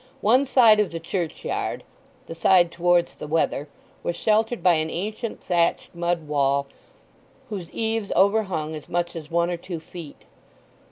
One side of the churchyard—the side towards the weather—was sheltered by an ancient thatched mud wall whose eaves overhung as much as one or two feet.